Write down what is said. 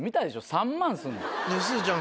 ３万すんの。